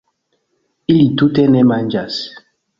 Ili tute ne manĝas